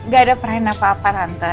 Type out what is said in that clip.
gak ada peran apa apa tante